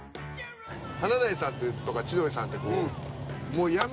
華大さんとか千鳥さんってこう。